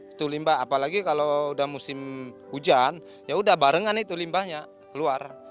itu limbah apalagi kalau udah musim hujan ya udah barengan itu limbahnya keluar